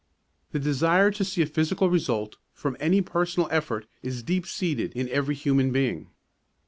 The desire to see a physical result from any personal effort is deep seated in every human being.